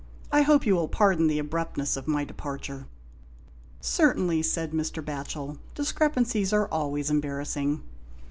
I hope you will pardon the abruptness of my departure." "Certainly," said Mr. Batchel, "discrepancies are always embarrassing."